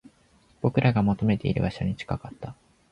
僕らが求めている場所に近かった